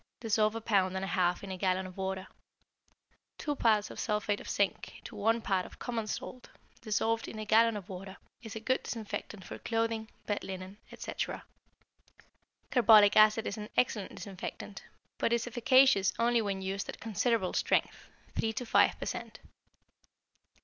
Dissolve a pound and a half in a gallon of water. Two parts of sulphate of zinc to one part of common salt, dissolved in a gallon of water, is a good disinfectant for clothing, bed linen, etc. Carbolic acid is an excellent disinfectant, but is efficacious only when used at considerable strength, 3 to 5 per cent.